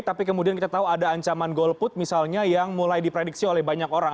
tapi kemudian kita tahu ada ancaman golput misalnya yang mulai diprediksi oleh banyak orang